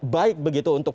baik begitu untuk